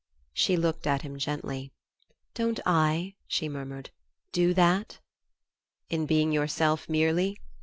She looked at him gently. "Don't I," she murmured, "do that?" "In being yourself merely?